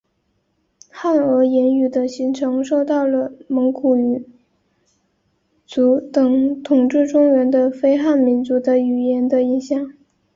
汉儿言语的形成受到了蒙古语族等统治中原的非汉民族的语言的影响。